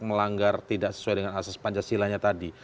melanggar tidak sesuai dengan asas pancasila nya tadi